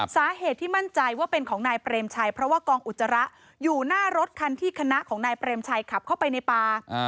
สาเหตุที่มั่นใจว่าเป็นของนายเปรมชัยเพราะว่ากองอุจจาระอยู่หน้ารถคันที่คณะของนายเปรมชัยขับเข้าไปในป่า